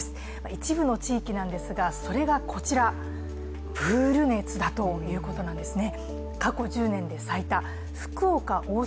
一部の地域なんですが、それがこちら、プール熱だということなんですね。